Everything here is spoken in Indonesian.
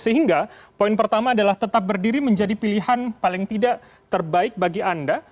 sehingga poin pertama adalah tetap berdiri menjadi pilihan paling tidak terbaik bagi anda